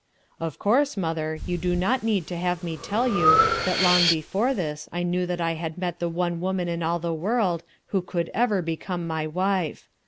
"Of course, mother, you do not need to have me tell you that long before this I knew that I had met the one woman in all the world who could ever become my wife.